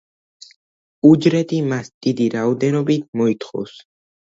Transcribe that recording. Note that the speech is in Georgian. უჯრედი მას დიდი რაოდენობით მოითხოვს.